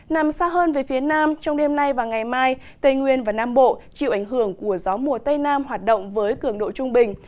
nằm xa hơn về phía nam trong đêm nay và ngày mai tây nguyên và nam bộ chịu ảnh hưởng của gió mùa tây nam hoạt động với cường độ trung bình